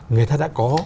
người ta đã có